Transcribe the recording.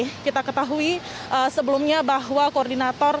jadi kita ketahui sebelumnya bahwa koordinatornya